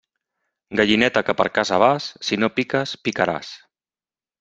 Gallineta que per casa vas, si no piques, picaràs.